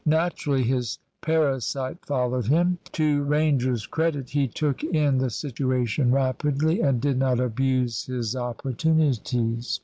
Naturally his parasite followed him. To Ranger's credit, he took in the situation rapidly, and did not abuse his opportunities.